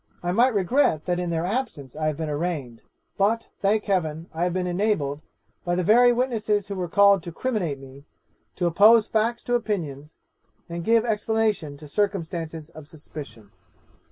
I might regret that in their absence I have been arraigned, but, thank heaven, I have been enabled, by the very witnesses who were called to criminate me, to oppose facts to opinions, and give explanation to circumstances of suspicion.